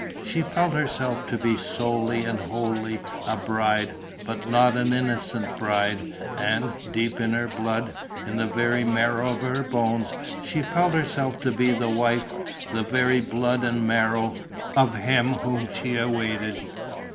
She felt herself to be solely and wholly a bride, but not an innocent bride; and, deep in her blood, in the very marrow of her bones, she felt herself to be the wife, the very blood and marrow, of him whom she awaited.